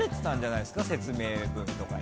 説明文とかに。